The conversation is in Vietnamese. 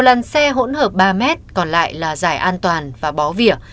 một làn xe hỗn hợp ba m còn lại là dài an toàn và bó vỉa